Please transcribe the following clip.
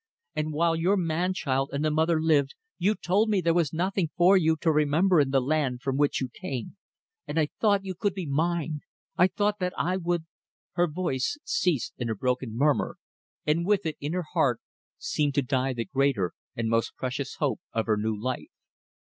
And while your man child and the mother lived you told me there was nothing for you to remember in the land from which you came! And I thought you could be mine. I thought that I would ..." Her voice ceased in a broken murmur, and with it, in her heart, seemed to die the greater and most precious hope of her new life.